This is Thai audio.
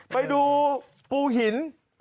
ไปดูภูหิน